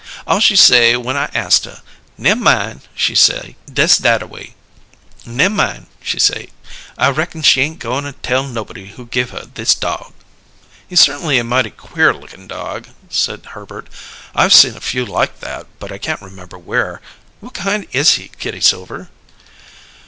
All she say when I ast her: 'Nemmine!' she say, dess thataway. 'Nemmine!' she say. I reckon she ain't goin' tell nobody who give her this dog." "He's certainly a mighty queer lookin' dog," said Herbert. "I've seen a few like that, but I can't remember where. What kind is he, Kitty Silver?"